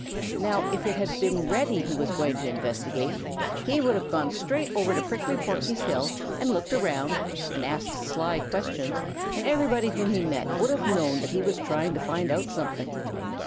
Now if it had been Reddy who was going to investigate, he would have gone straight over to Prickly Porky's hill and looked around and asked sly questions, and everybody whom he met would have known that he was trying to find out something.